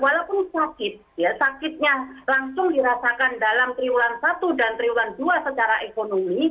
walaupun sakit ya sakitnya langsung dirasakan dalam triwulan satu dan triwulan dua secara ekonomi